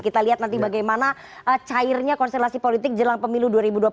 kita lihat nanti bagaimana cairnya konstelasi politik jelang pemilu dua ribu dua puluh